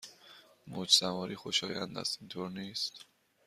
موج سواری خوشایند است، اینطور نیست؟